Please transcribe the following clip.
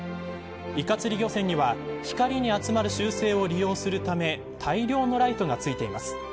イカ釣り漁船には光に集まる習性を利用するため大量のライトがついています。